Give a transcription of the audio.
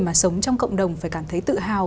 mà sống trong cộng đồng phải cảm thấy tự hào